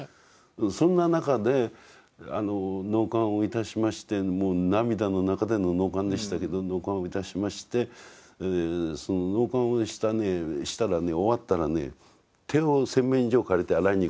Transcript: そんな中で納棺をいたしましてもう涙の中での納棺でしたけど納棺をいたしましてその納棺をしたらね終わったらね手を洗面所を借りて洗いに行くんですよ。